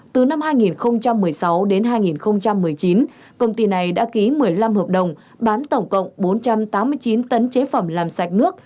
từ năm hai nghìn một mươi sáu đến hai nghìn một mươi chín công ty này đã ký một mươi năm hợp đồng bán tổng cộng bốn trăm tám mươi chín tấn chế phẩm làm sạch nước